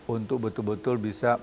untuk betul betul bisa